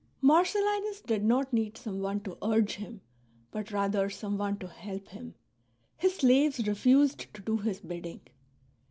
Marcellinus did not need someone to urge him, but rather someone to help him ; his slaves refused to do his bidding.